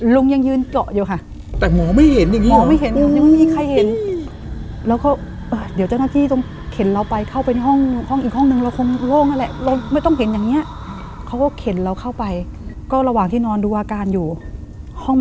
ลุงยังยืนเกาะอยู่ค่ะ